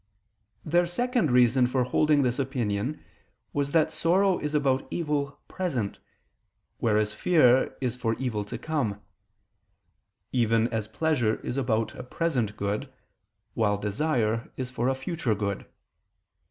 Their second reason for holding this opinion was that sorrow is about evil present, whereas fear is for evil to come: even as pleasure is about a present good, while desire is for a future good.